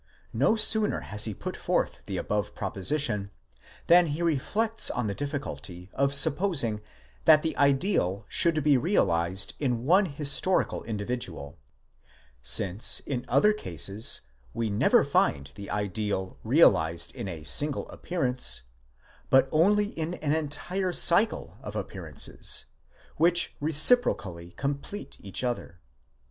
No sooner has he put forth the above proposition, than he reflects on the difficulty of supposing that the ideal should be realized in one historical individual ; since, in other cases, we never find the ideal realized in a single appearance, but only in an entire cycle of appearances, which reciprocally complete each other.